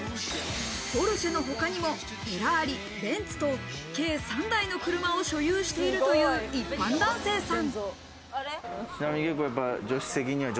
ポルシェの他にもフェラーリ、ベンツと計３台の車を所有しているという一般男性さん。